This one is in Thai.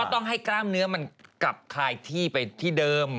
ต้องให้กล้ามเนื้อมันกลับคลายที่ไปที่เดิม